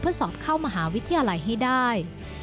เพื่อสอบเข้ามหาวิทยาลัยให้ได้